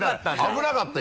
危なかった！